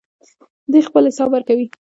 دوی خپل حساب ورکوي.